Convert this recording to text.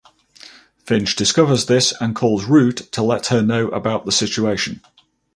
Finch discovers this and calls Root to let her know about the situation.